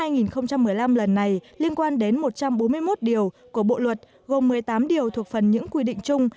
năm lần này liên quan đến một trăm bốn mươi một điều của bộ luật gồm một mươi tám điều thuộc phần những quy định chung